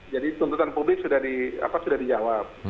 jadi tuntutan publik sudah dijawab